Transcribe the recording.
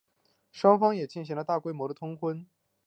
双方也进行了大规模的通婚。